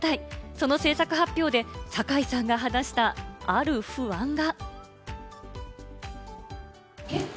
その制作発表で酒井さんが話したある不安が。